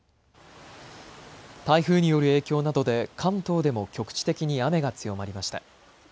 台風による影響などで関東でも局地的に雨が強まりました。